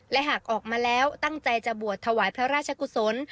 และหากออกมาแล้วตั้งใจจะบวชถวายพระราชกุศล